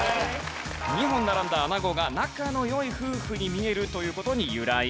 ２本並んだあなごが仲の良い夫婦に見えるという事に由来。